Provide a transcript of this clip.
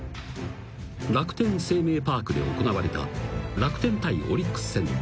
［楽天生命パークで行われた楽天対オリックス戦］